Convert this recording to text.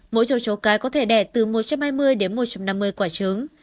mỗi trầu chấu cái có thể đẻ từ một trăm hai mươi đến một trăm năm mươi quả trứng